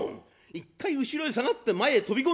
一回後ろへ下がって前へ飛び込む？